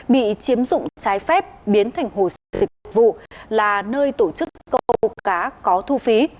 bị chiếm dụng trái phép biến thành hồ sịp vụ là nơi tổ chức câu cá có thu phí